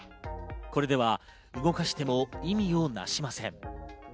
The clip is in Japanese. これでは動かしても意味を成しません。